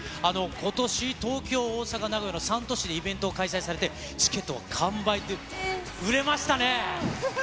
ことし、東京、大阪、名古屋の３都市でイベントを開催されて、チケットは完売という、売れました。